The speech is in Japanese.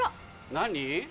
何？